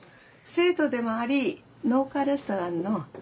生徒でもあり農家レストランの。